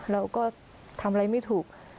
เราก็ทำอะไรไม่ถูก